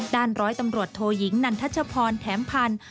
ร้อยตำรวจโทยิงนันทัชพรแถมพันธ์